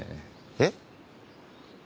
えっ？